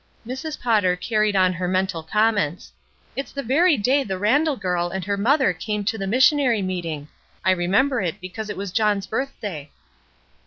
Mrs. Potter carried on her mental comments, "It's the very day the Randall girl and her mother came to the missionary meeting. I remember it because it was John's birthday."